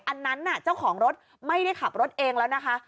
อันนั้นน่ะเจ้าของรถไม่ได้ขับรถเองแล้วนะคะ